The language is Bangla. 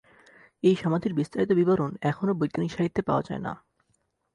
এই সমাধির বিস্তারিত বিবরণ এখনও বৈজ্ঞানিক সাহিত্যে পাওয়া যায় না।